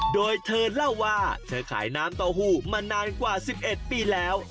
โดยเธอเล่าว่าเธอขายน้ำเต้าหู้มานานกว่า๑๑ปีแล้ว